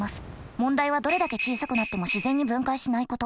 問題はどれだけ小さくなっても自然に分解しないこと。